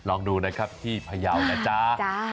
ลองดูนะครับที่พยาวนะจ๊ะ